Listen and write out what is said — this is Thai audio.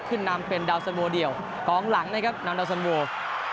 ขึ้นนำเป็นดาวสันวัลเดียวกองหลังนะครับนำดาวสันวัล